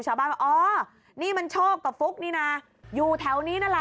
ชาวบ้านว่าอ๋อนี่มันโชคกับฟุ๊กนี่นะอยู่แถวนี้นั่นแหละ